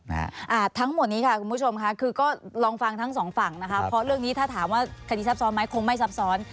อ่าทั้งหมดนี้ค่ะคุณผู้ชมค่ะคือก็ลองฟังทั้งสองฝั่งนะคะเพราะเรื่องนี้ถ้าถามว่าคดีซับซ้อนไหมคงไม่ซับซ้อน